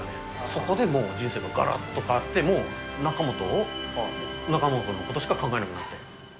そこでもう人生ががらっと変わってもう中本を、中本のことしか考えられなくなって。